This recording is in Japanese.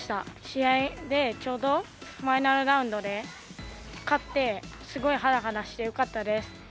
試合でちょうどファイナルラウンドで勝ってすごいハラハラしてよかったです。